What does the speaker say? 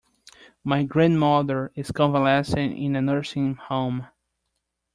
My grandmother is convalescing in a nursing home.